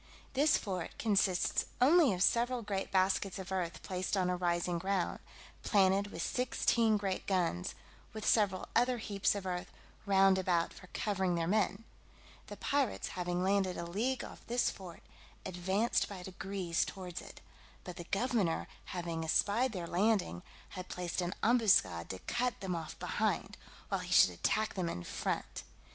This fort consists only of several great baskets of earth placed on a rising ground, planted with sixteen great guns, with several other heaps of earth round about for covering their men: the pirates having landed a league off this fort, advanced by degrees towards it; but the governor having espied their landing, had placed an ambuscade to cut them off behind, while he should attack them in front.